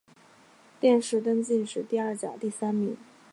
殿试登进士第二甲第三名。